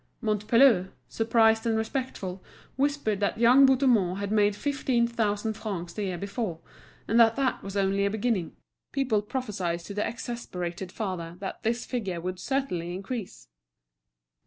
Montpellier, surprised and respectful, whispered that young Bouthemont had made fifteen thousand francs the year before, and that that was only a beginning—people prophesied to the exasperated father that this figure would certainly increase.